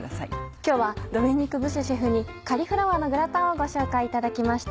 今日はドミニク・ブシェシェフに「カリフラワーのグラタン」をご紹介いただきました。